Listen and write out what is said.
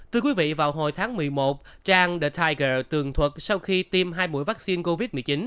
từ quý vị vào hồi tháng một mươi một trang the tiger tường thuật sau khi tiêm hai mũi vaccine covid một mươi chín